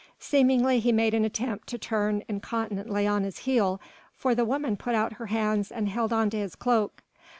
Seemingly he made an attempt to turn incontinently on his heel, for the woman put out her hands and held on to his cloak.